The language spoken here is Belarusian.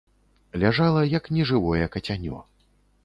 Ляжала, як нежывое кацянё.